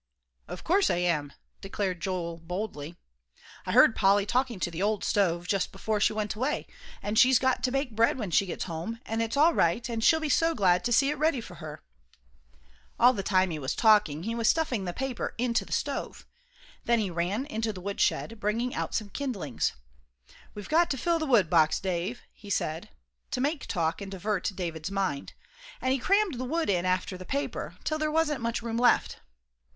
"Of course I am," declared Joel, boldly. "I heard Polly talking to the old stove just before she went away, and she's got to bake bread when she gets home, an' it's all right, an' she'll be so glad to see it ready for her." All the time he was talking he was stuffing the paper into the stove; then he ran into the woodshed, bringing out some kindlings. "We've got to fill the wood box, Dave," he said, to make talk and divert David's mind; and he crammed the wood in after the paper, till there wasn't much room left.